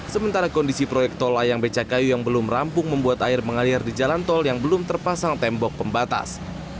sementara kondisi proyek tol layang becakayu yang belum rampung membuat air mengalir di jalan tol yang belum terpasang tembok pembatas